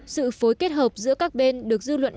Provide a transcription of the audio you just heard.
sự phối kết hợp giữa các bên được dư luận đánh giá